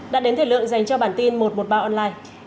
đã đến thời lượng dành cho bản tin một trăm một mươi ba online